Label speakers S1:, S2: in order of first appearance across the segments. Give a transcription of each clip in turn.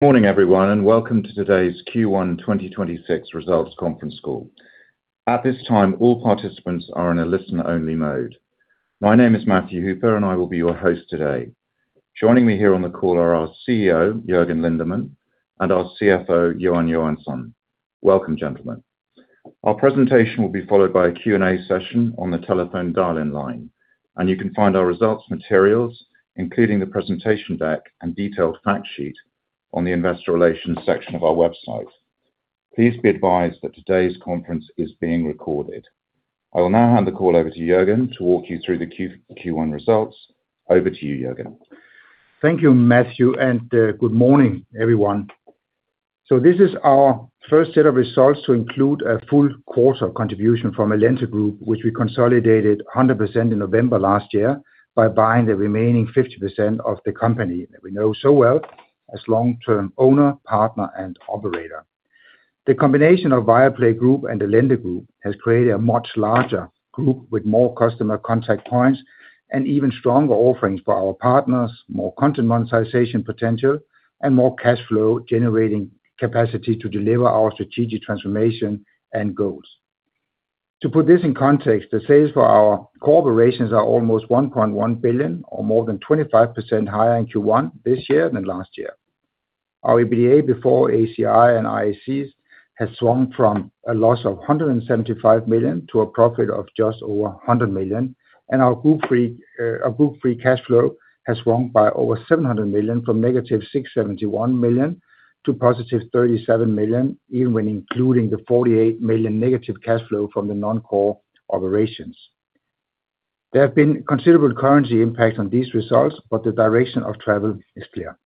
S1: Good morning everyone, and welcome to today's Q1 2026 Results Conference Call. At this time, all participants are in a listen only mode. My name is Matthew Hooper and I will be your host today. Joining me here on the call are our CEO, Jørgen Lindemann, and our CFO, Johan Johansson. Welcome, gentlemen. Our presentation will be followed by a Q&A session on the telephone dial-in line, and you can find our results materials, including the presentation deck and detailed fact sheet on the investor relations section of our website. Please be advised that today's conference is being recorded. I will now hand the call over to Jørgen to walk you through the Q1 results. Over to you, Jørgen.
S2: Thank you, Matthew, and good morning everyone. This is our first set of results to include a full quarter contribution from Allente Group, which we consolidated 100% in November last year by buying the remaining 50% of the company that we know so well as long-term owner, partner and operator. The combination of Viaplay Group and Allente Group has created a much larger group with more customer contact points and even stronger offerings for our partners, more content monetization potential, and more cash flow generating capacity to deliver our strategic transformation and goals. To put this in context, the sales for our corporations are almost 1.1 billion or more than 25% higher in Q1 this year than last year. Our EBITDA before ACI and IAC has swung from a loss of 175 million to a profit of just over 100 million, and our group free cash flow has swung by over 700 million from negative 671 million to positive 37 million, even when including the 48 million negative cash flow from the non-core operations. There have been considerable currency impact on these results, but the direction of travel is clear.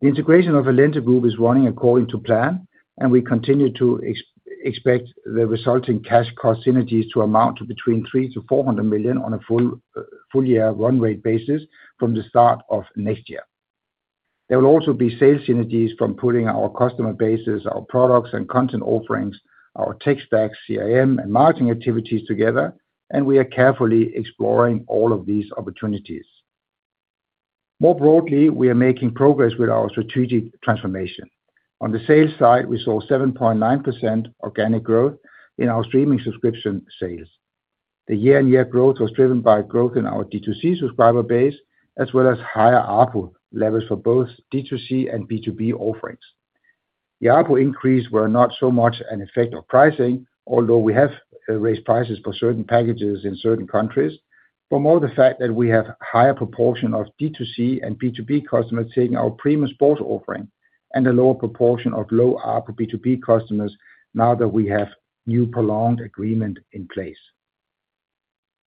S2: The integration of Allente Group is running according to plan, and we continue to expect the resulting cash cost synergies to amount to between 300 million-400 million on a full year run rate basis from the start of next year. There will also be sales synergies from pooling our customer bases, our products and content offerings, our tech stacks, CRM and marketing activities together, and we are carefully exploring all of these opportunities. More broadly, we are making progress with our strategic transformation. On the sales side, we saw 7.9% organic growth in our streaming subscription sales. The year-on-year growth was driven by growth in our D2C subscriber base, as well as higher ARPU levels for both D2C and B2B offerings. The ARPU increase were not so much an effect of pricing, although we have raised prices for certain packages in certain countries, but more the fact that we have higher proportion of D2C and B2B customers taking our premium sports offering and a lower proportion of low ARPU B2B customers now that we have new prolonged agreement in place.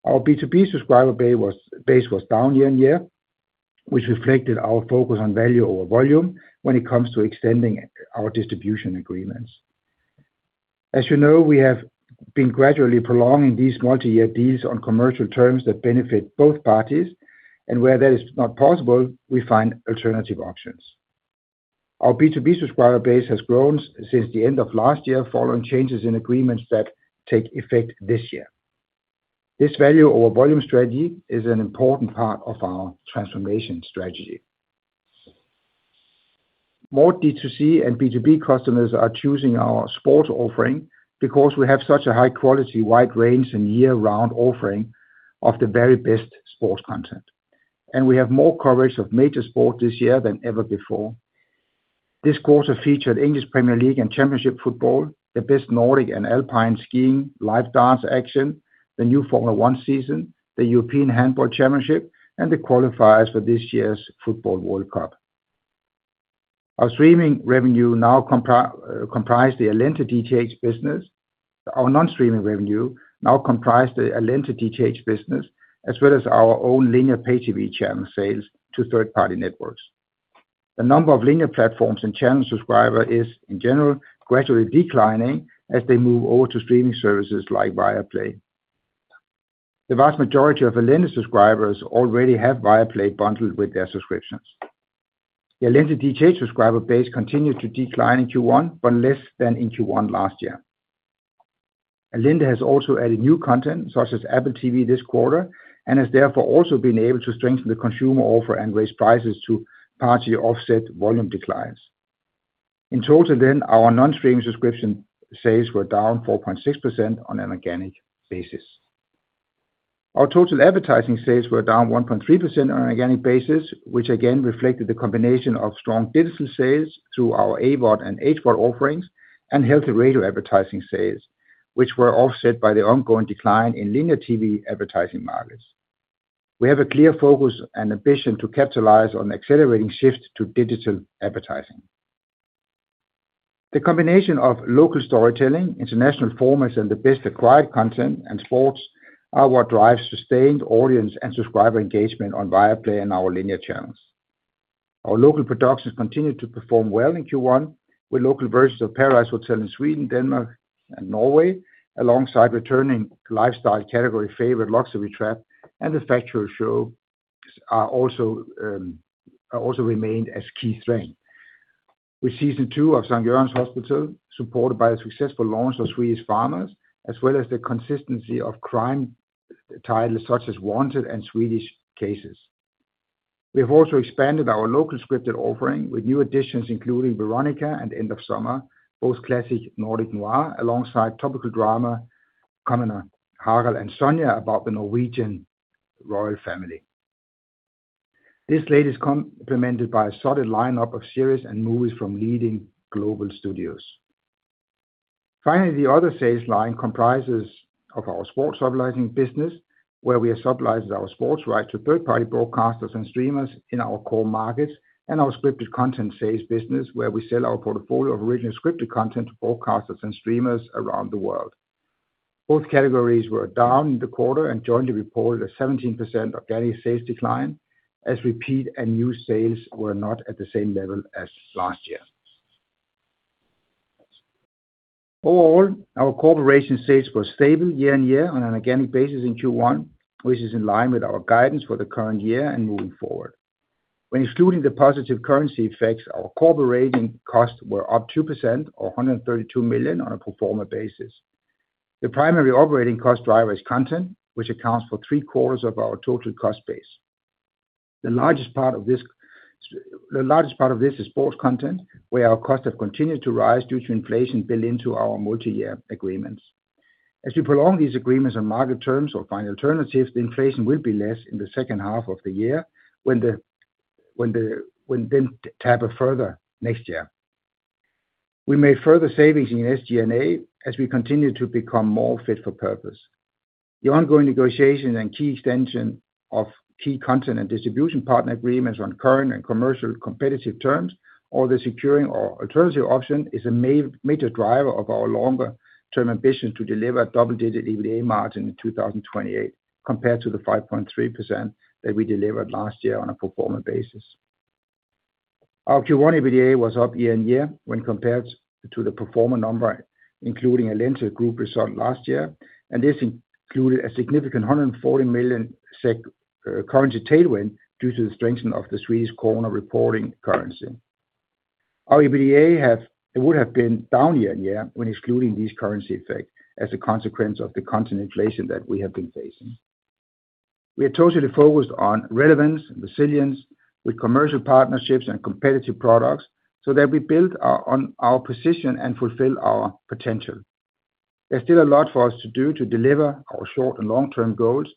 S2: Our B2B subscriber base was down year-on-year, which reflected our focus on value over volume when it comes to extending our distribution agreements. As you know, we have been gradually prolonging these multi-year deals on commercial terms that benefit both parties, and where that is not possible, we find alternative options. Our B2B subscriber base has grown since the end of last year, following changes in agreements that take effect this year. This value over volume strategy is an important part of our transformation strategy. More D2C and B2B customers are choosing our sports offering because we have such a high quality wide range and year-round offering of the very best sports content, and we have more coverage of major sport this year than ever before. This quarter featured English Premier League and championship football, the best Nordic and Alpine skiing, live darts action, the new Formula One season, the European Handball Championship and the qualifiers for this year's Football World Cup. Our non-streaming revenue now comprises the Allente DTH business, as well as our own linear pay TV channel sales to third party networks. The number of linear platforms and channel subscriber is, in general, gradually declining as they move over to streaming services like Viaplay. The vast majority of Allente subscribers already have Viaplay bundled with their subscriptions. The Allente DTH subscriber base continued to decline in Q1, but less than in Q1 last year. Allente has also added new content such as Apple TV this quarter, and has therefore also been able to strengthen the consumer offer and raise prices to partially offset volume declines. In total, our non-streaming subscription sales were down 4.6% on an organic basis. Our total advertising sales were down 1.3% on an organic basis, which again reflected the combination of strong digital sales through our AVOD and HVOD offerings and healthy radio advertising sales, which were offset by the ongoing decline in linear TV advertising markets. We have a clear focus and ambition to capitalize on accelerating shift to digital advertising. The combination of local storytelling, international formats and the best acquired content and sports are what drives sustained audience and subscriber engagement on Viaplay and our linear channels. Our local productions continued to perform well in Q1 with local versions of Paradise Hotel in Sweden, Denmark, and Norway, alongside returning lifestyle category favorite, Lyxfällan, and the factual shows also remained as key strength. With season two of Akuten, supported by the successful launch of Swedish farmers, as well as the consistency of crime titles such as Wanted and Swedish Cases. We have also expanded our local scripted offering with new additions including Veronika and End of Summer, both classic Nordic noir, alongside topical drama, Harald and Sonja, about the Norwegian royal family. This slate is complemented by a solid lineup of series and movies from leading global studios. Finally, the other sales line comprises of our sports syndication business, where we have syndicated our sports rights to third-party broadcasters and streamers in our core markets, and our scripted content sales business, where we sell our portfolio of original scripted content to broadcasters and streamers around the world. Both categories were down in the quarter and jointly reported a 17% organic sales decline as repeat and new sales were not at the same level as last year. Overall, our corporate sales were stable year-on-year on an organic basis in Q1, which is in line with our guidance for the current year and moving forward. When excluding the positive currency effects, our content costs were up 2% or 132 million on a pro forma basis. The primary operating cost driver is content, which accounts for three-quarters of our total cost base. The largest part of this is sports content, where our costs have continued to rise due to inflation built into our multi-year agreements. As we prolong these agreements on market terms or find alternatives, the inflation will be less in the second half of the year when they taper further next year. We made further savings in SG&A as we continue to become more fit for purpose. The ongoing negotiation and key extension of key content and distribution partner agreements on current and commercial competitive terms or the securing or alternative option is a major driver of our longer-term ambition to deliver double-digit EBITDA margin in 2028, compared to the 5.3% that we delivered last year on a pro forma basis. Our Q1 EBITDA was up year-over-year when compared to the pro forma number, including Allente Group result last year, and this included a significant 140 million SEK currency tailwind due to the strengthening of the Swedish krona reporting currency. Our EBITDA would have been down year-over-year when excluding this currency effect as a consequence of the content inflation that we have been facing. We are totally focused on relevance and resilience with commercial partnerships and competitive products so that we build on our position and fulfill our potential. There's still a lot for us to do to deliver our short and long-term goals,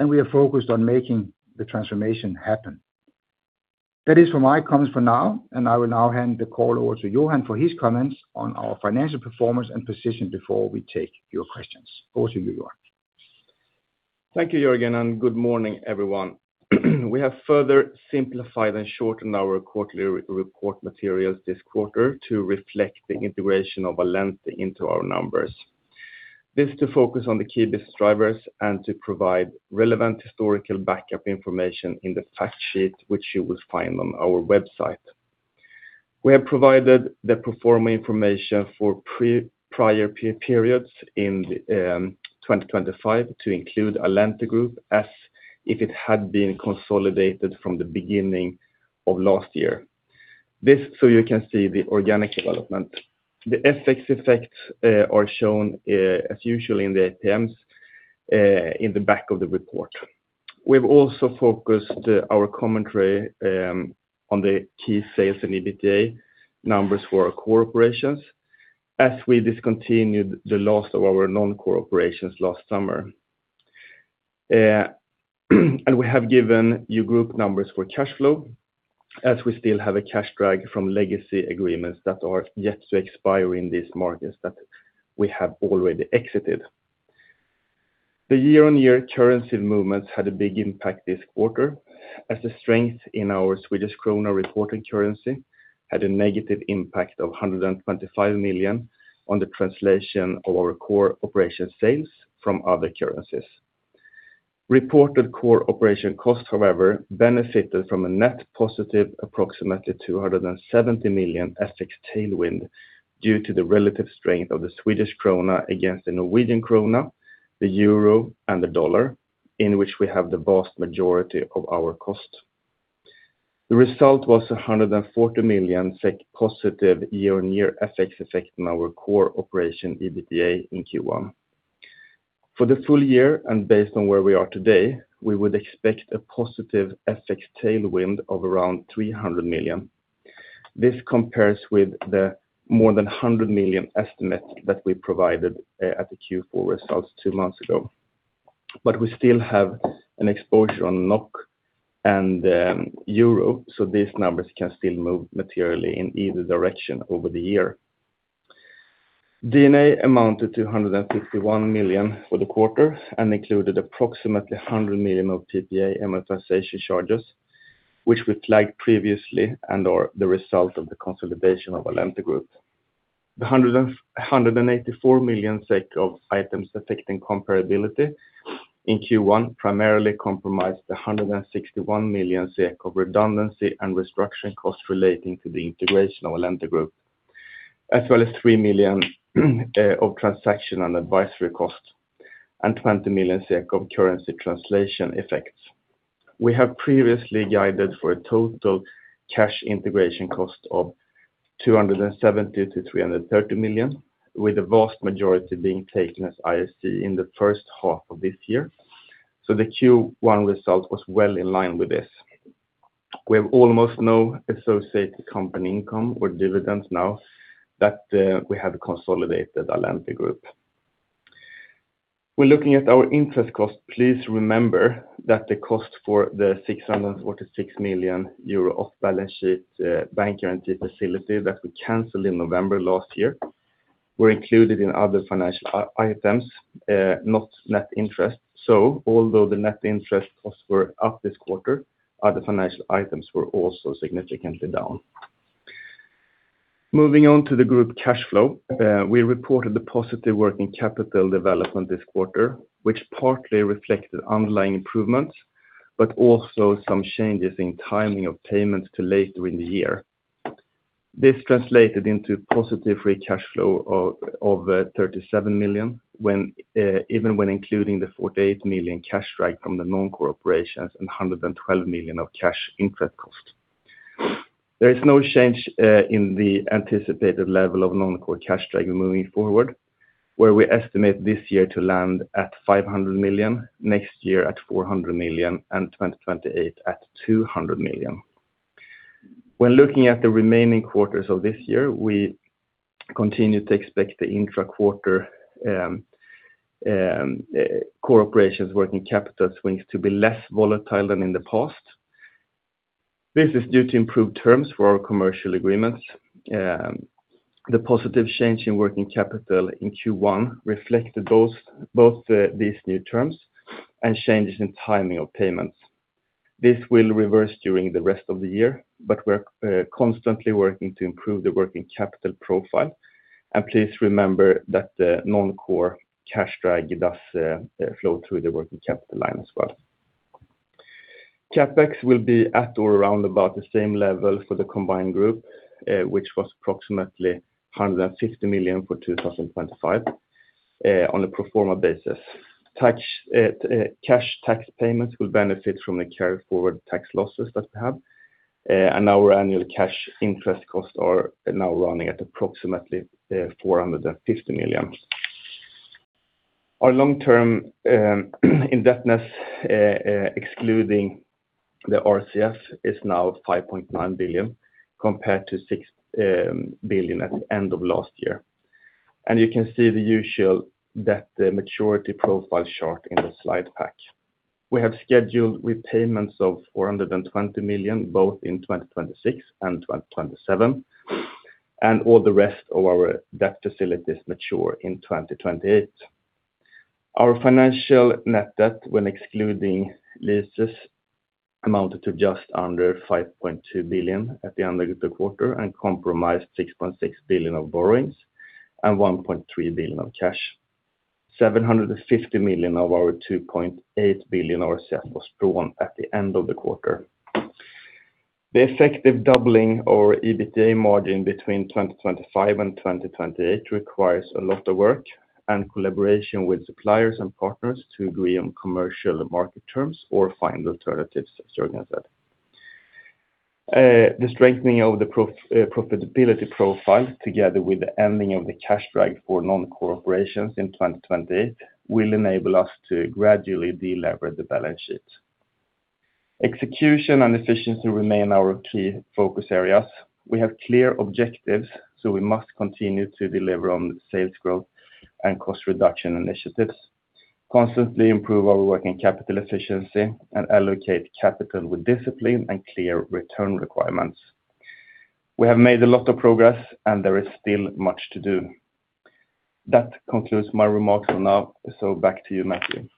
S2: and we are focused on making the transformation happen. That is all for my comments for now, and I will now hand the call over to Johan for his comments on our financial performance and position before we take your questions. Over to you, Johan.
S3: Thank you, Jørgen, and good morning, everyone. We have further simplified and shortened our quarterly report materials this quarter to reflect the integration of Allente into our numbers. This is to focus on the key business drivers and to provide relevant historical backup information in the fact sheet, which you will find on our website. We have provided the pro forma information for prior periods in 2025 to include Allente Group as if it had been consolidated from the beginning of last year. This is so you can see the organic development. The FX effects are shown as usual in the APMs in the back of the report. We've also focused our commentary on the key sales and EBITDA numbers for our core operations as we discontinued the last of our non-core operations last summer. We have given you group numbers for cash flow as we still have a cash drag from legacy agreements that are yet to expire in these markets that we have already exited. The year-on-year currency movements had a big impact this quarter, as the strength in our Swedish krona reporting currency had a negative impact of 125 million on the translation of our core operation sales from other currencies. Reported core operation costs, however, benefited from a net positive approximately 270 million FX tailwind due to the relative strength of the Swedish krona against the Norwegian krona, the euro, and the dollar, in which we have the vast majority of our cost. The result was 140 million SEK positive year-on-year FX effect on our core operation EBITDA in Q1. For the full year and based on where we are today, we would expect a positive FX tailwind of around 300 million. This compares with the more than 100 million estimate that we provided at the Q4 results two months ago. We still have an exposure on NOK and euro, so these numbers can still move materially in either direction over the year. G&A amounted to 251 million for the quarter and included approximately 100 million of PPA amortization charges, which we flagged previously and are the result of the consolidation of Allente Group. The 184 million SEK of items affecting comparability in Q1 primarily comprised the 161 million SEK of redundancy and restructuring costs relating to the integration of Allente Group. As well as 3 million of transaction and advisory costs and 20 million SEK of currency translation effects. We have previously guided for a total cash integration cost of 270 million-330 million, with the vast majority being taken as IAC in the first half of this year. The Q1 result was well in line with this. We have almost no associated company income or dividends now that we have consolidated Allente Group. We're looking at our interest cost. Please remember that the cost for the 646 million euro off-balance sheet bank guarantee facility that we canceled in November last year were included in other financial items, not net interest. Although the net interest costs were up this quarter, other financial items were also significantly down. Moving on to the group cash flow. We reported the positive working capital development this quarter, which partly reflected underlying improvements, but also some changes in timing of payments to later in the year. This translated into positive free cash flow of 37 million, even when including the 48 million cash drag from the non-core operations and 112 million of cash interest cost. There is no change in the anticipated level of non-core cash drag moving forward, where we estimate this year to land at 500 million, next year at 400 million, and 2028 at 200 million. When looking at the remaining quarters of this year, we continue to expect the intra-quarter core operations working capital swings to be less volatile than in the past. This is due to improved terms for our commercial agreements. The positive change in working capital in Q1 reflected both these new terms and changes in timing of payments. This will reverse during the rest of the year, but we're constantly working to improve the working capital profile. Please remember that the non-core cash drag does flow through the working capital line as well. CapEx will be at or around about the same level for the combined group, which was approximately 150 million for 2025, on a pro forma basis. Cash tax payments will benefit from the carry forward tax losses that we have, and our annual cash interest costs are now running at approximately 450 million. Our long-term indebtedness, excluding the RCF, is now 5.9 billion, compared to 6 billion at the end of last year. You can see the usual debt maturity profile chart in the slide pack. We have scheduled repayments of 420 million, both in 2026 and 2027, and all the rest of our debt facilities mature in 2028. Our financial net debt, when excluding leases, amounted to just under 5.2 billion at the end of the quarter and comprised 6.6 billion of borrowings and 1.3 billion of cash. 750 million of our 2.8 billion RCF was drawn at the end of the quarter. The effective doubling of our EBITDA margin between 2025 and 2028 requires a lot of work and collaboration with suppliers and partners to agree on commercial market terms or find alternatives, as Jørgen said. The strengthening of the profitability profile, together with the ending of the cash drag for non-core operations in 2020, will enable us to gradually de-leverage the balance sheet. Execution and efficiency remain our key focus areas. We have clear objectives, so we must continue to deliver on sales growth and cost reduction initiatives, constantly improve our working capital efficiency, and allocate capital with discipline and clear return requirements. We have made a lot of progress, and there is still much to do. That concludes my remarks for now. Back to you, Matthew.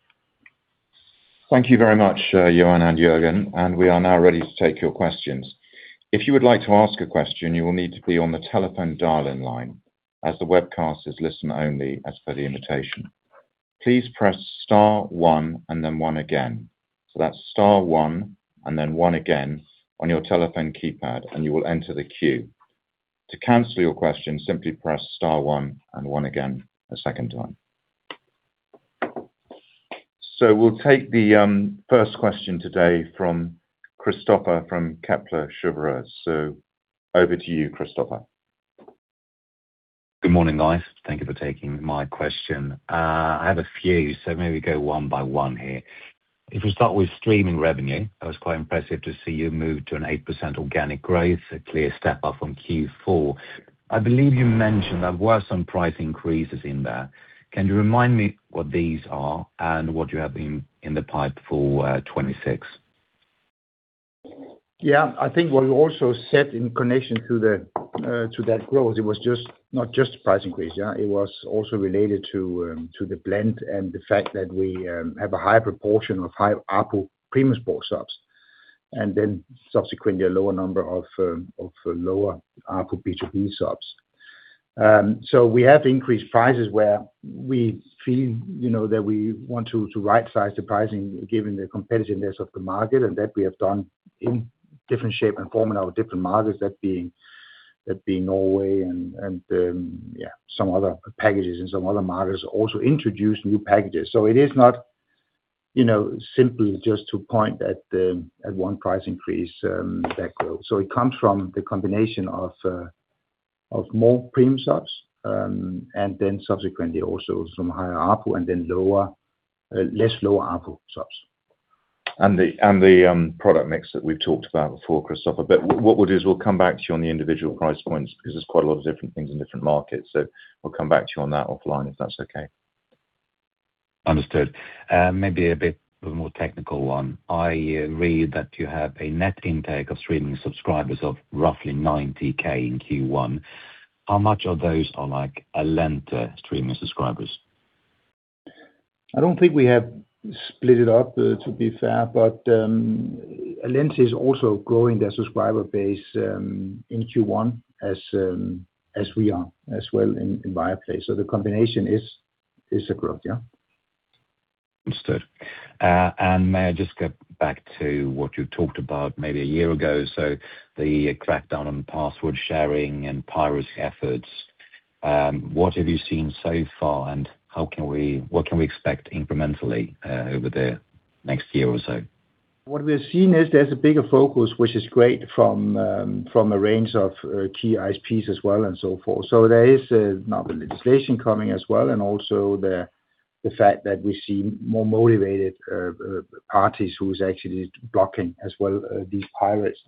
S1: Thank you very much, Johan and Jørgen. We are now ready to take your questions. If you would like to ask a question, you will need to be on the telephone dial-in line, as the webcast is listen only, as per the invitation. Please press star one and then one again. That's star one and then one again on your telephone keypad, and you will enter the queue. To cancel your question, simply press star one and one again a second time. We'll take the first question today from Kristoffer from Kepler Cheuvreux. Over to you, Kristoffer.
S4: Good morning, guys. Thank you for taking my question. I have a few, so maybe go one by one here. If we start with streaming revenue, that was quite impressive to see you move to an 8% organic growth, a clear step up from Q4. I believe you mentioned there were some price increases in there. Can you remind me what these are and what you have in the pipeline for 2026?
S2: Yeah. I think what we also said in connection to that growth, it was not just price increase. It was also related to the blend and the fact that we have a high proportion of high ARPU premium sports subs, and then subsequently a lower number of lower ARPU B2B subs. We have increased prices where We feel that we want to right-size the pricing given the competitiveness of the market, and that we have done in different shape and form in our different markets, that being Norway and some other packages and some other markets also introduce new packages. It is not simply just to point at one price increase, that growth. It comes from the combination of more premium subs, and then subsequently also some higher ARPU and then less low ARPU subs.
S1: The product mix that we've talked about before, Kristoffer. What we'll do is we'll come back to you on the individual price points because there's quite a lot of different things in different markets. We'll come back to you on that offline if that's okay.
S4: Understood. Maybe a bit of a more technical one. I read that you have a net intake of streaming subscribers of roughly 90,000 in Q1. How much of those are Allente streaming subscribers?
S2: I don't think we have split it up, to be fair. Allente is also growing their subscriber base in Q1 as we are as well in Viaplay. The combination is a growth, yeah.
S4: Understood. May I just get back to what you talked about maybe a year ago, so the crackdown on password sharing and piracy efforts. What have you seen so far and what can we expect incrementally over the next year or so?
S2: What we have seen is there's a bigger focus, which is great, from a range of key ISPs as well and so forth. There is now the legislation coming as well, and also the fact that we see more motivated parties who's actually blocking as well these pirates.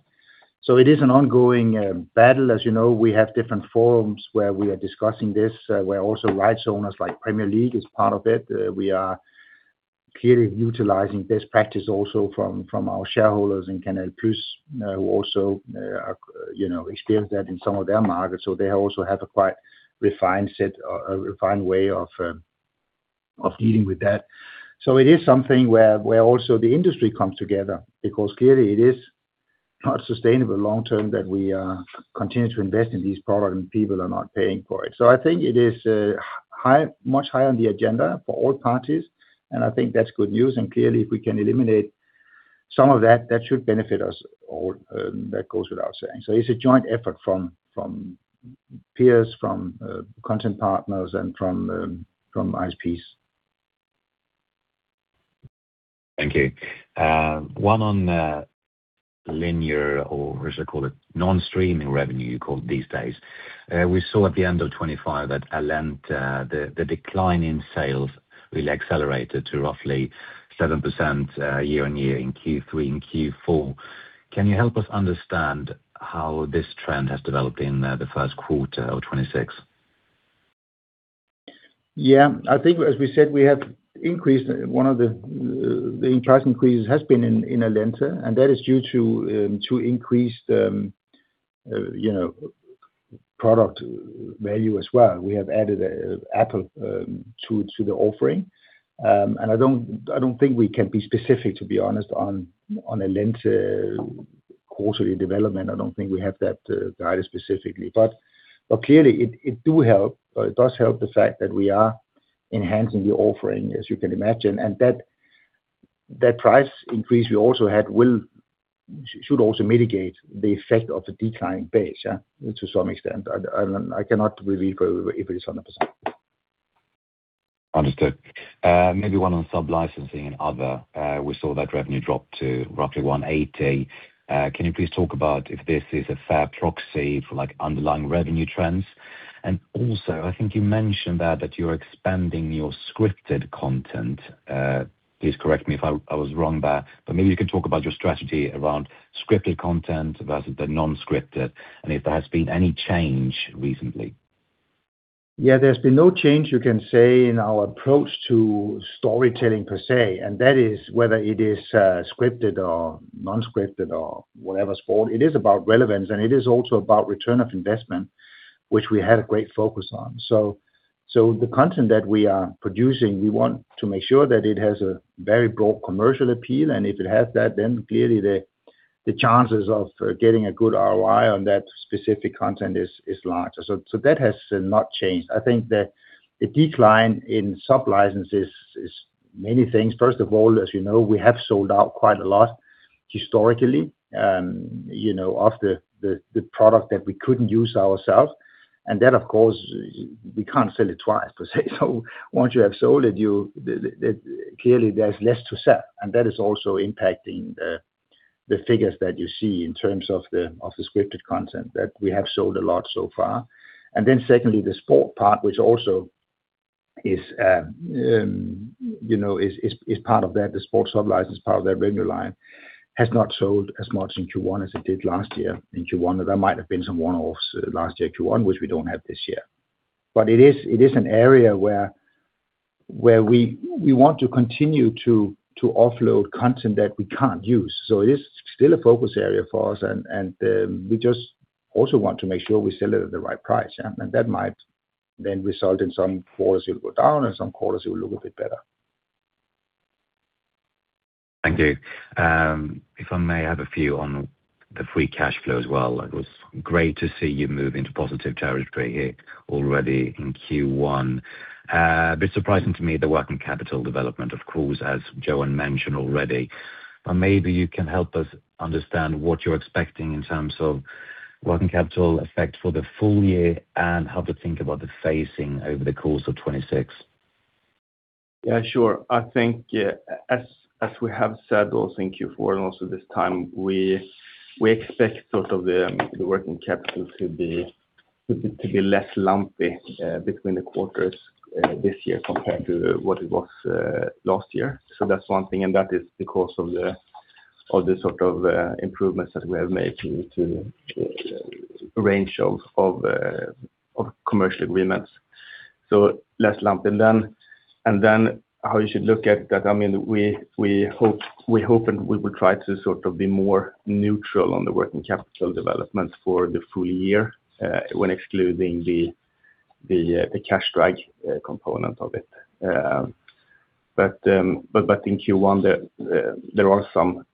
S2: It is an ongoing battle. As you know, we have different forums where we are discussing this, where also rights owners like Premier League is part of it. We are clearly utilizing best practice also from our shareholders in CANAL+, who also experienced that in some of their markets. They also have a quite refined way of dealing with that. It is something where also the industry comes together because clearly it is not sustainable long term that we continue to invest in these products and people are not paying for it. I think it is much higher on the agenda for all parties, and I think that's good news. Clearly if we can eliminate some of that should benefit us all, that goes without saying. It's a joint effort from peers, from content partners, and from ISPs.
S4: Thank you. One on linear, or as I call it, non-streaming revenue you call it these days. We saw at the end of 2025 that Allente, the decline in sales really accelerated to roughly 7% year-over-year in Q3 and Q4. Can you help us understand how this trend has developed in the first quarter of 2026?
S2: Yeah. I think as we said, the price increase has been in Allente, and that is due to increased product value as well. We have added Apple to the offering. I don't think we can be specific, to be honest, on Allente quarterly development. I don't think we have that guided specifically. Clearly, it does help the fact that we are enhancing the offering, as you can imagine, and that price increase we also had should also mitigate the effect of the decline pace to some extent. I cannot really go if it is 100%.
S4: Understood. Maybe one on sub-licensing and other. We saw that revenue drop to roughly 180. Can you please talk about if this is a fair proxy for underlying revenue trends? I think you mentioned that you're expanding your scripted content. Please correct me if I was wrong there, but maybe you can talk about your strategy around scripted content versus the non-scripted, and if there has been any change recently.
S2: Yeah, there's been no change you can say in our approach to storytelling per se, and that is whether it is scripted or non-scripted or whatever sport, it is about relevance, and it is also about return on investment, which we had a great focus on. The content that we are producing, we want to make sure that it has a very broad commercial appeal. If it has that, then clearly the chances of getting a good ROI on that specific content is larger. That has not changed. I think that the decline in sub-licenses is many things. First of all, as you know, we have sold out quite a lot historically of the product that we couldn't use ourselves. Then of course, we can't sell it twice, per se. Once you have sold it, clearly there's less to sell, and that is also impacting the figures that you see in terms of the scripted content that we have sold a lot so far. Secondly, the sport part, which also is part of that, the sports sub-license part of that revenue line, has not sold as much in Q1 as it did last year in Q1. There might have been some one-offs last year, Q1, which we don't have this year. It is an area where we want to continue to offload content that we can't use. It is still a focus area for us and we just also want to make sure we sell it at the right price. That might then result in some quarters it will go down and some quarters it will look a bit better.
S4: Thank you. If I may have a few on the free cash flow as well. It was great to see you move into positive territory here already in Q1. A bit surprising to me, the working capital development, of course, as Johan mentioned already. Maybe you can help us understand what you're expecting in terms of working capital effect for the full year, and how to think about the phasing over the course of 2026.
S3: Yeah, sure. I think, as we have said, also in Q4 and also this time, we expect sort of the working capital to be less lumpy between the quarters this year compared to what it was last year. That's one thing, and that is because of the sort of improvements that we have made to a range of commercial agreements. Less lumpy. Then how you should look at that, we hope, and we will try to sort of be more neutral on the working capital development for the full year, when excluding the cash drag component of it. But in Q1, there are some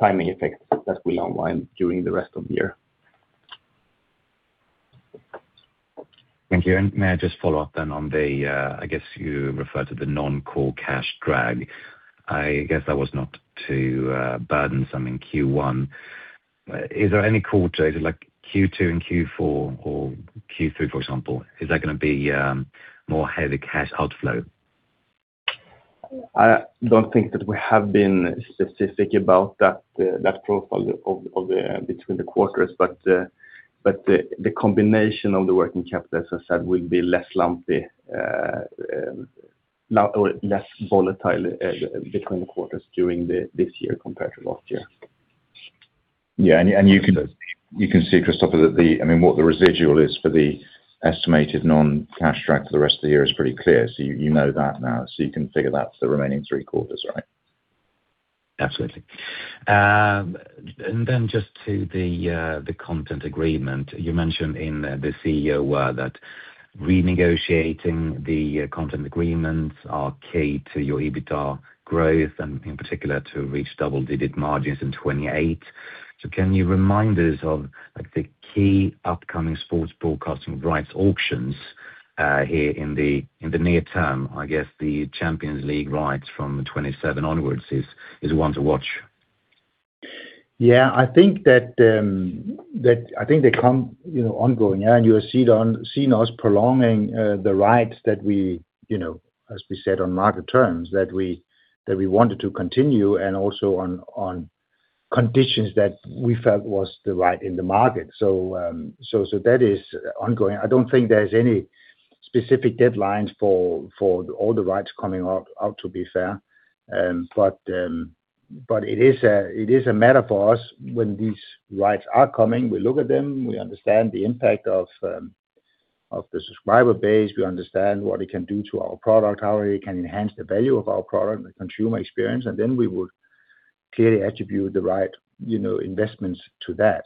S3: timing effects that we unwind during the rest of the year.
S4: Thank you. May I just follow up then on the, I guess you referred to the non-core cash drag. I guess that was not too burdensome in Q1. Is there any quarter, is it like Q2 and Q4 or Q3, for example, is that going to be more heavy cash outflow?
S3: I don't think that we have been specific about that profile between the quarters. The combination of the working capital, as I said, will be less lumpy, or less volatile between the quarters during this year compared to last year.
S1: Yeah. You can see, Kristoffer, that what the residual is for the estimated non-cash drag for the rest of the year is pretty clear. You know that now, so you can figure that for the remaining three quarters, right?
S4: Absolutely. Just to the content agreement. You mentioned in the CEO that renegotiating the content agreements are key to your EBITDA growth and, in particular, to reach double-digit margins in 2028. Can you remind us of the key upcoming sports broadcasting rights auctions here in the near term? I guess the Champions League rights from 2027 onwards is one to watch.
S2: Yeah, I think they come ongoing. You have seen us prolonging the rights that we, as we said, on market terms, that we wanted to continue, and also on conditions that we felt was the right in the market. That is ongoing. I don't think there's any specific deadlines for all the rights coming out, to be fair. It is a matter for us when these rights are coming. We look at them, we understand the impact of the subscriber base. We understand what it can do to our product, how it can enhance the value of our product, the consumer experience. Then we would clearly attribute the right investments to that.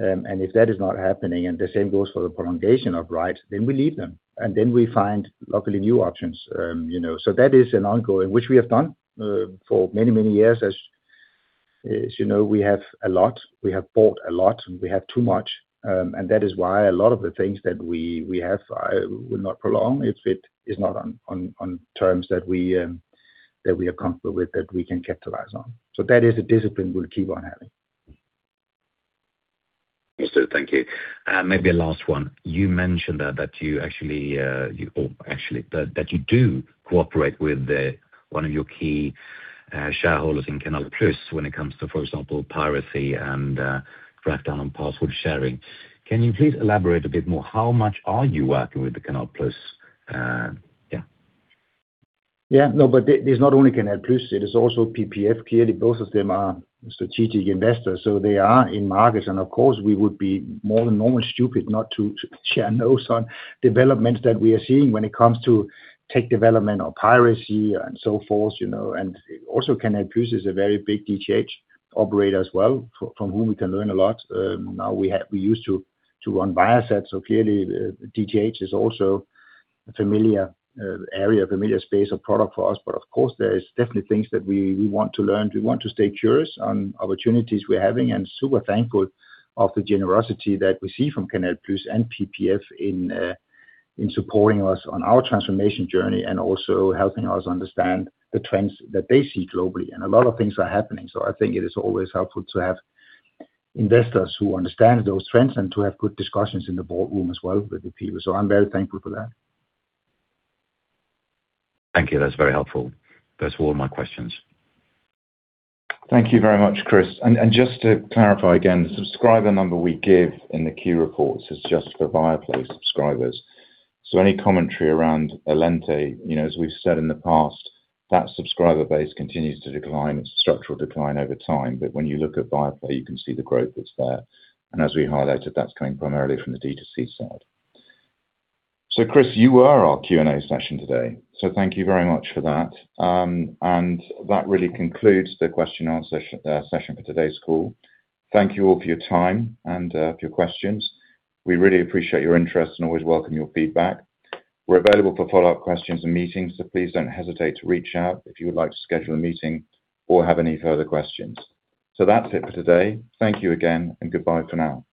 S2: If that is not happening, and the same goes for the prolongation of rights, then we leave them. Then we find luckily new options. That is an ongoing, which we have done for many, many years. As you know, we have a lot, we have bought a lot, and we have too much. That is why a lot of the things that we have, I will not prolong if it is not on terms that we are comfortable with, that we can capitalize on. That is a discipline we'll keep on having.
S4: Yes, sir. Thank you. Maybe a last one. You mentioned that you do cooperate with one of your key shareholders in CANAL+ when it comes to, for example, piracy and crack down on password sharing. Can you please elaborate a bit more, how much are you working with the CANAL+? Yeah.
S2: Yeah. No, but it's not only CANAL+, it is also PPF. Clearly, both of them are strategic investors, so they are in markets. Of course, we would be more than normal stupid not to share notes on developments that we are seeing when it comes to tech development or piracy and so forth. Also CANAL+ is a very big DTH operator as well from whom we can learn a lot. Now we used to run Viasat, so clearly DTH is also a familiar area, familiar space of product for us. Of course, there is definitely things that we want to learn. We want to stay curious on opportunities we're having and super thankful of the generosity that we see from CANAL+ and PPF in supporting us on our transformation journey and also helping us understand the trends that they see globally. A lot of things are happening. I think it is always helpful to have investors who understand those trends and to have good discussions in the boardroom as well with the people. I'm very thankful for that.
S4: Thank you. That's very helpful. That's all of my questions.
S1: Thank you very much, Kris. Just to clarify again, the subscriber number we give in the Q reports is just for Viaplay subscribers. Any commentary around Allente, as we've said in the past, that subscriber base continues to decline. It's a structural decline over time. When you look at Viaplay, you can see the growth that's there. As we highlighted, that's coming primarily from the D2C side. Kris, you led our Q&A session today, so thank you very much for that. That really concludes the question and answer session for today's call. Thank you all for your time and for your questions. We really appreciate your interest and always welcome your feedback. We're available for follow-up questions and meetings, so please don't hesitate to reach out if you would like to schedule a meeting or have any further questions. That's it for today. Thank you again, and goodbye for now.